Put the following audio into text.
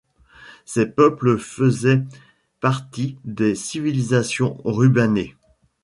Ces peuples faisaient partie des civilisations rubanées.